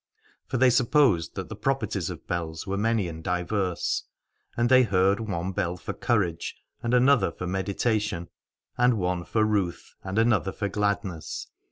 For they supposed that the properties of bells were many and diverse : and they heard one bell for courage and another for meditation, and one for ruth and another for gladness.